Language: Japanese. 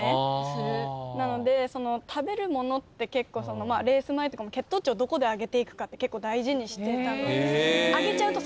なので食べるものってレース前とかも血糖値をどこで上げていくかって結構大事にしてた。